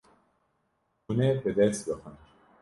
Hûn ê bi dest bixin.